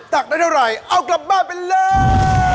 ตักได้เท่าไหร่เอากลับบ้านไปเลย